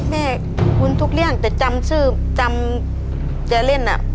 ขอบคุณทุกเรื่องแต่จำชื่อจำแกเล่นอ่ะ